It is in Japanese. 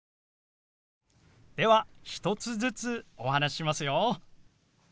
では１つずつお話ししますよ。